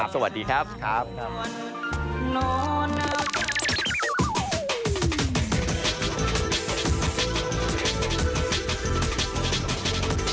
สวัสดีครับครับ